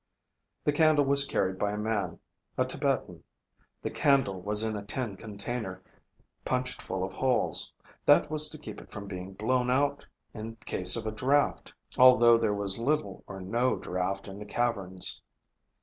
The candle was carried by a man. A Tibetan. The candle was in a tin container, punched full of holes. That was to keep it from being blown out in case of a draft, although there was little or no draft in the caverns.